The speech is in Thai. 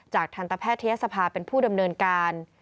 จากทันตแพทย์เทียสภาพเป็นผู้ดำเนินการ